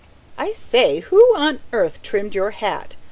"I say, who on earth trimmed your hat?"